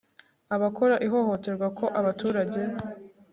abakora ihohoterwa ko abaturage